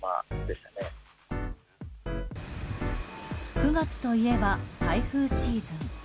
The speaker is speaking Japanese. ９月といえば台風シーズン。